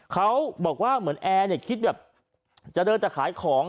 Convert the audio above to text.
เขาบอกว่าเหมือนแอร์คิดจะเดินไปขายของ